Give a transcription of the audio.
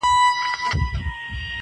هغه اوس گل ماسوم په غېږه كي وړي.